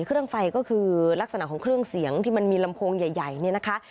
เครื่องไฟก็คือลักษณะของเครื่องเสียงที่มันมีลำโพงใหญ่เนี่ยนะคะ